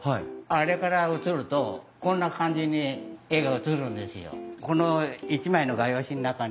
あれから映るとこんな感じに絵が映るんですよ。